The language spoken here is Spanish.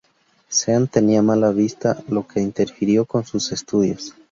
Seán tenía mala vista, lo que interfirió con sus estudios.